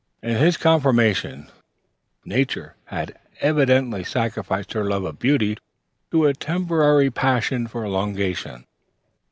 In his confirmation nature had evidently sacrificed her love of beauty to a temporary passion for elongation.